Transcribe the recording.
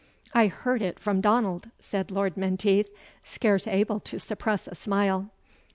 "I heard it from Donald," said Lord Menteith, scarce able to suppress a smile.